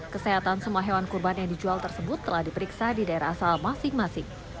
kesehatan semua hewan kurban yang dijual tersebut telah diperiksa di daerah asal masing masing